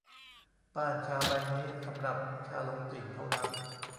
ป้านชาใบนี้สำหรับชาหลงจิ่งเท่านั้น